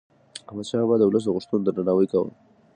احمدشاه بابا د ولس د غوښتنو درناوی کاوه.